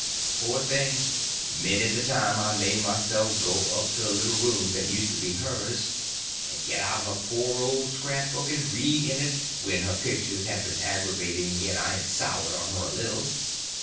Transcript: Poor thing, many's the time I made myself go up to the little room that used to be hers and get out her poor old scrap book and read in it when her pictures had been aggravating me and I had soured on her a little.